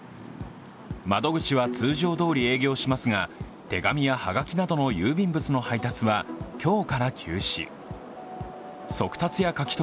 窓口は通常どおり営業しますが手紙やはがきなどの郵便物の配達は今日から休止。